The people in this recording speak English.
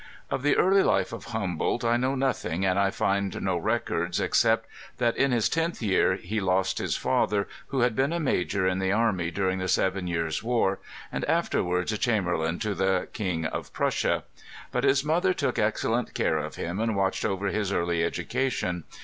Of the early life of Humboldt I know nothing, and I find no records except that in his tenth year he lost his father, who had been a Major in the army during the seven years' war, and after wards a chamberlain to the King of Prussia. But his mother took excellent care of him, and watched over bis early educa tion.